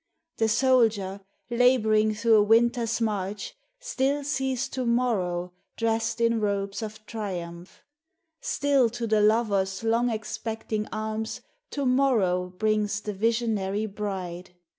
The soldier, laboring through a winter's march, Still sees to morrow drest in robes of triumph ; Still to the lover's long expecting arms To morrow brings the visionary bride.